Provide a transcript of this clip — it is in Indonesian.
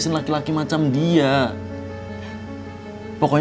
nah gitu dong